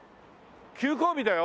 休校日だよ。